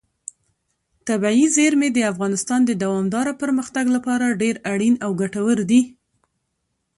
طبیعي زیرمې د افغانستان د دوامداره پرمختګ لپاره ډېر اړین او ګټور دي.